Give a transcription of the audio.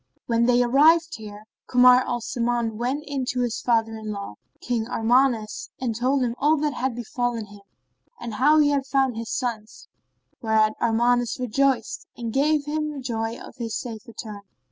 And when they arrived there, Kamar al Zaman went in to his father in law, King Armanus, and told him all that had befallen him and how he had found his sons; whereat Armanus rejoiced and gave him joy of his safe return.